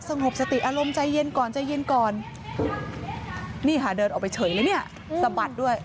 งบสติอารมณ์ใจเย็นก่อนใจเย็นก่อนนี่ค่ะเดินออกไปเฉยเลยเนี่ยสะบัดด้วย